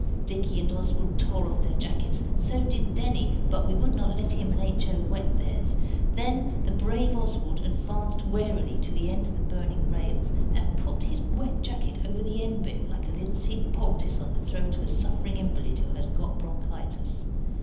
Dicky and Oswald tore off their jackets, so did Denny, but we would not let him and H. O. wet theirs. Then the brave Oswald advanced warily to the end of the burning rails and put his wet jacket over the end bit, like a linseed poultice on the throat of a suffering invalid who has got bronchitis.